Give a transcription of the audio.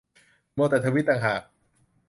มัวแต่ทวีตต่างหาก